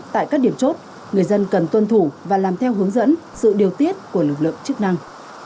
tại các điểm chốt người dân cần tuân thủ và làm theo hướng dẫn sự điều tiết của lực lượng chức năng